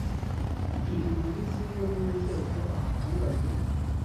iri muri zimwe mu nzego abaturage